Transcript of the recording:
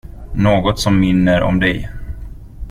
Något som minner om dig.